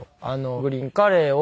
グリーンカレーを。